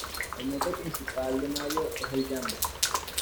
El metro principal de "Mayo" es el yambo.